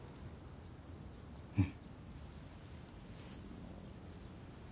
うん。